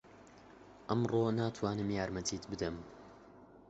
ئەمڕۆ ناتوانم یارمەتیت بدەم.